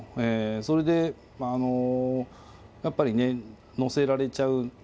それで、やっぱりね、乗せられちゃう。